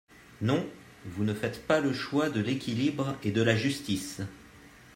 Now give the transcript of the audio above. Non, vous ne faites pas le choix de l’équilibre et de la justice.